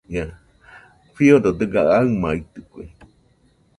Fiodo dɨga aɨmaitɨkue.